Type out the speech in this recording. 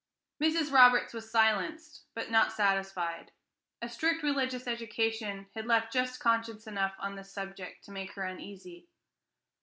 Mrs. Roberts was silenced, but not satisfied. A strict religious education had left just conscience enough on this subject to make her uneasy.